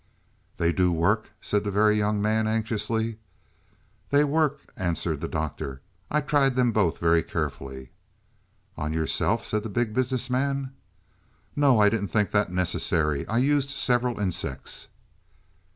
"They do work?" said the Very Young Man anxiously. "They work," answered the Doctor. "I tried them both very carefully." "On yourself?" said the Big Business Man. "No, I didn't think that necessary. I used several insects."